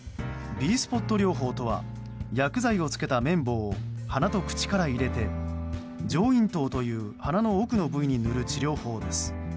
Ｂスポット療法とは薬剤をつけた綿棒を鼻と口から入れて上咽頭という鼻の奥の部位に塗る治療法です。